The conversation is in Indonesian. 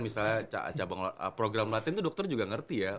misalnya program latihan itu dokter juga ngerti ya